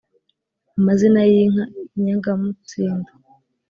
Amazina y'inka Inyangamutsindo